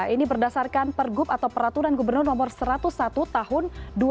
ini berdasarkan pergub atau peraturan gubernur no satu ratus satu tahun dua ribu dua puluh